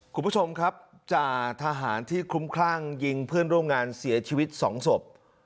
คุณผู้ชมครับจ่าทหารที่คลุ้มคลั่งยิงเพื่อนร่วมงานเสียชีวิตสองศพ